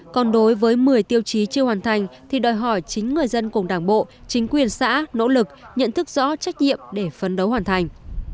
còn đối với một mươi tiêu chí chưa hoàn thành thì đòi hỏi chính người dân cùng đảng bộ chính quyền xã nỗ lực nhận thức rõ trách nhiệm để phấn đấu hoàn thành